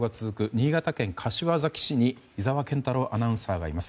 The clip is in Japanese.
新潟県柏崎市に井澤健太朗アナウンサーがいます。